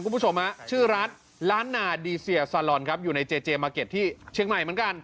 คุณผู้ชมฮะชื่อร้านล้านนาดีเซียซาลอนครับอยู่ในเจเจมาร์เก็ตที่เชียงใหม่เหมือนกัน